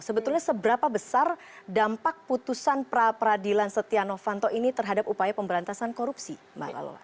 sebetulnya seberapa besar dampak putusan pra peradilan setia novanto ini terhadap upaya pemberantasan korupsi mbak lola